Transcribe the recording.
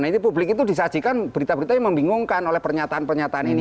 nah ini publik itu disajikan berita berita yang membingungkan oleh pernyataan pernyataan ini